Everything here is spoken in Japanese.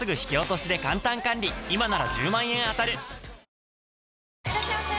「氷結」いらっしゃいませ！